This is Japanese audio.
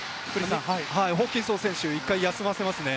ホーキンソン選手、１回休ませますね。